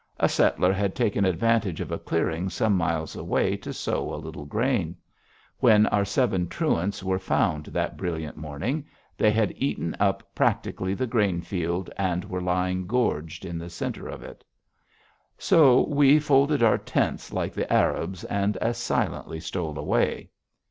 A settler had taken advantage of a clearing some miles away to sow a little grain. When our seven truants were found that brilliant morning, they had eaten up practically the grain field and were lying gorged in the center of it. [Illustration: Bear grass] So "we folded our tents like the Arabs, and as silently stole away."